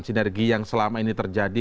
sinergi yang selama ini terjadi